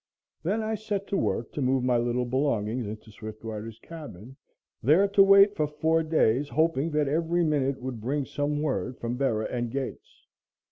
Then I set to work to move my little belongings into Swiftwater's cabin, there to wait for four days hoping that every minute would bring some word from Bera and Gates.